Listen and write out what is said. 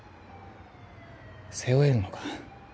背負えるのか？